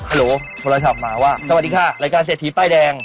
โหลโทรศัพท์มาว่าสวัสดีค่ะรายการเศรษฐีป้ายแดง